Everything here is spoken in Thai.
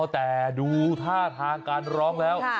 แต่ดูท่าทางการร้องแล้ว